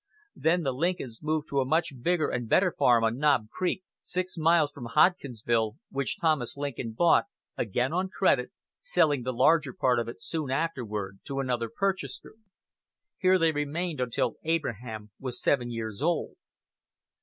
Then the Lincolns moved to a much bigger and better farm on Knob Creek, six miles from Hodgensville, which Thomas Lincoln bought, again on credit, selling the larger part of it soon afterward to another purchaser. Here they remained until Abraham was seven years old.